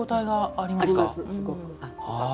あります、すごく。